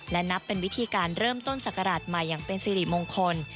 และนับเป็นวิธีการเริ่มต้นศักราชใหม่อย่างเป็นสิริมงคล